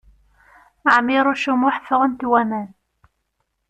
Ɛmiṛuc U Muḥ ffɣent waman.